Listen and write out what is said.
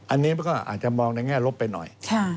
อันนี้มันก็อาจจะมองในแง่ลบไปหน่อย